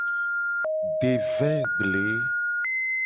De vegble.